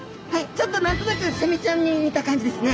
ちょっと何となくセミちゃんに似た感じですね。